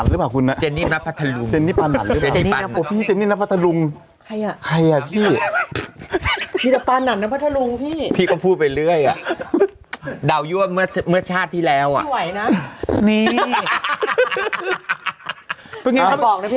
ดอกลิ่นหน้าเป็นดอกจำปลา